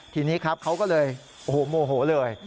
ทีนี้ครับเขาก็เลยโอ้โหโมโหเลย